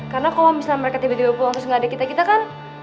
karena kalo abis itu mereka tiba tiba pulang terus gak ada kita kita kan